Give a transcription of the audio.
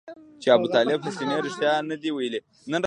چې ابوطالب حسیني رښتیا نه دي ویلي.